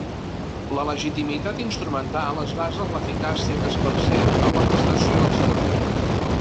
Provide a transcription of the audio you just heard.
La legitimitat instrumental es basa en l'eficàcia que es percep en la prestació del servei.